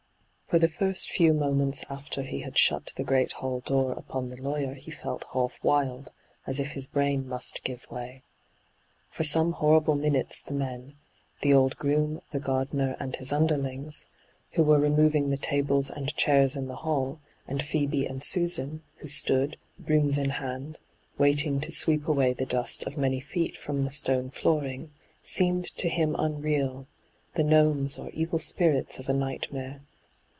For the £rst few moments after he had shut the great hall door upon the lawyer he felt half wild, as if his brain must give way. For some horrible minutes the men — the old groom, the gardener and his underlings — who were removing the tables and chairs in the hall, and Phoebe and Susan, who stood, brooms in band, waiting to sweep away the dust of many feet irom the stone flooring, seemed to him unreal — the gnomes or evil spirits of a nightmare.